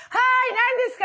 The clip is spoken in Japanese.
何ですか？」